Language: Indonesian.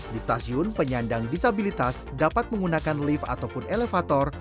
di stasiun penyandang disabilitas dapat menggunakan lift ataupun elevator